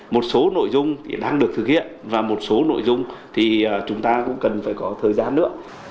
một số nội dung đang được thực hiện và một số nội dung thì chúng ta cũng cần phải có thời gian nữa